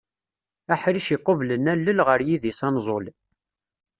Aḥric iqublen allel ɣer yidis anẓul.